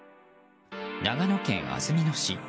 長野県安曇野市。